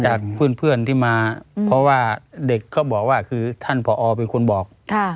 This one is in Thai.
จากเพื่อนที่มาเพราะว่าเด็กเขาบอกว่าคือท่านผอเป็นคนบอก